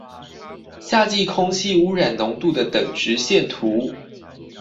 夏季空氣污染濃度的等值線圖